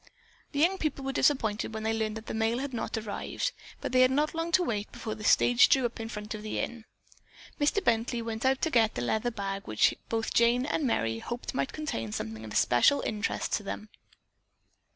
The young people were disappointed when they learned that the mail had not arrived, but they had not long to wait before the stage drew up in front of the inn. Mr. Bently went out to get the leather bag which both Jane and Merry hoped might contain something of especial interest to them.